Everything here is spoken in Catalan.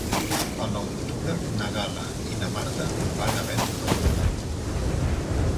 El nou d'octubre na Gal·la i na Marta van a Venta del Moro.